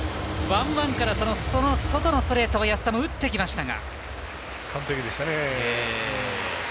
ワンワンから外のストレート安田、打っていきました。